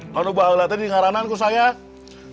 kalo bau latar diingatkan aku sayang